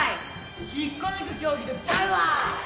引っこ抜く競技とちゃうわ！